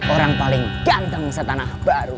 orang paling ganteng setanah baru